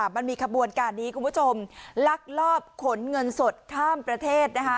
มันมีขบวนการนี้ลักลอบขนเงินสดข้ามประเทศ